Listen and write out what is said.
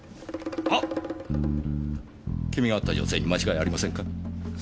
君が会った女性に間違いありませんか？